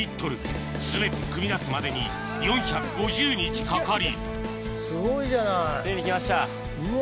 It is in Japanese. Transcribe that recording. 全てくみ出すまでに４５０日かかりすごいじゃないうわ。